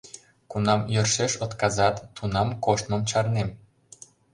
— Кунам йӧршеш отказат, тунам коштмым чарнем.